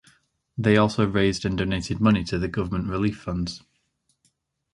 They also raised and donated money to the Government relief funds.